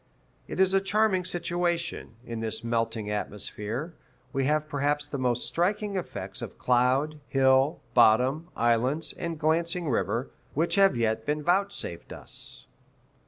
It is a charming situation; in this melting atmosphere, we have perhaps the most striking effects of cloud, hill, bottom, islands, and glancing river, which have yet been vouchsafed us.